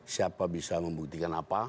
siapa bisa membuktikan apa